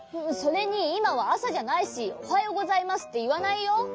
それにいまはあさじゃないし「おはようございます」っていわないよ。